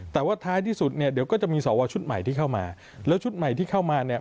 แต่ว่าท้ายที่สุดเนี่ยเดี๋ยวก็จะมีสวชุดใหม่ที่เข้ามาแล้วชุดใหม่ที่เข้ามาเนี่ย